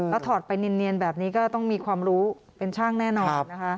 แล้วถอดไปเนียนแบบนี้ก็ต้องมีความรู้เป็นช่างแน่นอนนะคะ